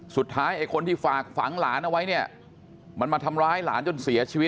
ตื่นเช้ามาใหญ่ก็จุดทูปบอกเอาว่าเดี๋ยวยายแก่แขนให้